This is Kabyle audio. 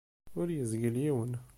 Ur izgil yiwen.